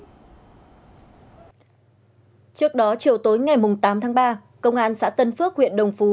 trước đó chiều tối ngày tám tháng ba công an xã tân phước huyện đồng phú